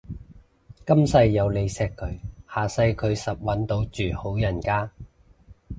今世有你錫佢，下世佢實搵到住好人家